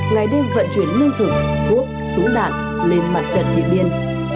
ngày đêm vận chuyển nương thực thuốc súng đạn lên mặt trận điện biên